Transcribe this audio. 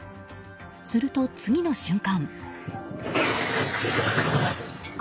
すると、次の瞬間。